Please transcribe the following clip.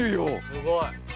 すごい。